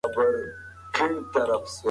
افغانانو د دفاع او برید دواړه مهارتونه ښودل.